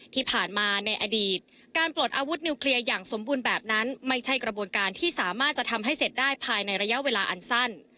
ที่ผ่านมาในอดีตการปลดอาวุธนิวเคลียร์อย่างสมบูรณ์แบบนั้นไม่ใช่กระบวนการที่สามารถจะทำให้เสร็จได้ภายในระยะเวลาอันสั้น